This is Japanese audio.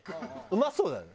うまそうだよ。